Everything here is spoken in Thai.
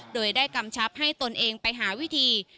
โดยได้กำชับให้ตนเองไปหาวิธี